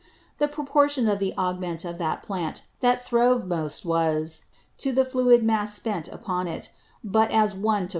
The Proportion of the Augment of that Plant that throve most was, to the fluid Mass spent upon it, but as 1 to 46.